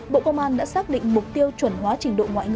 bộ công an đã xác định mục tiêu chuẩn hóa trình độ